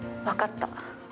分かった。